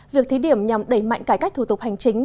việc thí điểm nhằm đẩy mạnh cải cách thủ tục hành chính